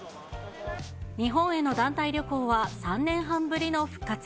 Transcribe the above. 日本への団体旅行は３年半ぶりの復活。